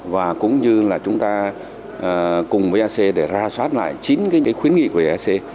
và cũng như là chúng ta cùng với sc để ra soát lại chín cái khuyến nghị của sc